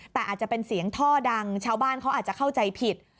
แต่อาจจะเป็นเสียงท่อดังชาวบ้านเขาอาจจะเข้าใจผิด